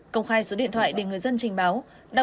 công khai số điện thoại để người dân trình báo